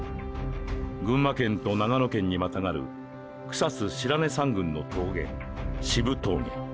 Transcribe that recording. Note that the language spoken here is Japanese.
群馬県と長野県にまたがる草津白根山群の峠「渋峠」。